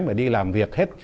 mà đi làm việc hết